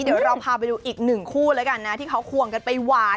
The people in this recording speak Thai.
เดี๋ยวเราพาไปดูอีกหนึ่งคู่แล้วกันนะที่เขาควงกันไปหวาน